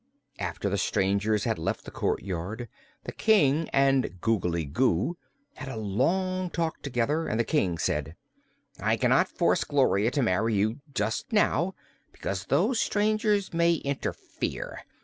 After the strangers had left the courtyard the King and Googly Goo had a long talk together, and the King said: "I cannot force Gloria to marry you just now, because those strangers may interfere.